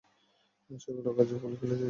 সেগুলো অকাজের বলে ফেলে দিয়েছি, স্যার।